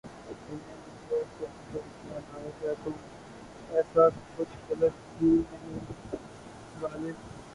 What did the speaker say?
انہیں جو خود پر اتنا ناز ہے تو ایسا کچھ غلط بھی نہیں غالب